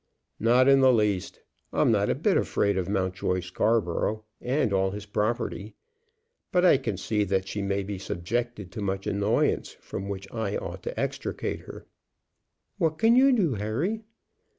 "Not in the least. I'm not a bit afraid of Mountjoy Scarborough and all his property; but I can see that she may be subjected to much annoyance from which I ought to extricate her." "What can you do, Harry?"